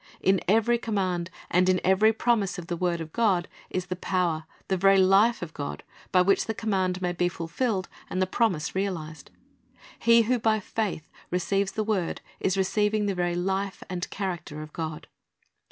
"^ In every command and in every promise of the word of God is the power, the very life of God, by which the command may be fulfilled and the promise realized. He who by faith receives the word is receiving the very life and character of God.